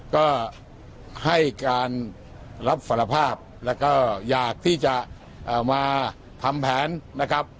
ก็ให้การรับสารภาพแล้วก็อยากที่จะมาทำแผนนะครับ